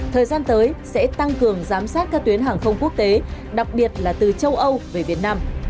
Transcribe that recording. thời gian tới sẽ tăng cường giám sát các tuyến hàng không quốc tế đặc biệt là từ châu âu về việt nam